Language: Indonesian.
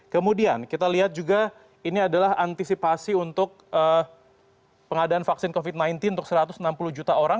kemudian kita lihat juga ini adalah antisipasi untuk pengadaan vaksin covid sembilan belas untuk satu ratus enam puluh juta orang